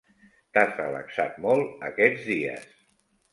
T'has relaxat molt aquests dies.